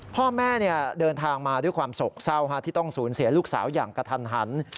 พ่อแม่เดินทางมาด้วยความโศกเศร้าที่ต้องสูญเสียลูกสาวอย่างกระทันหัน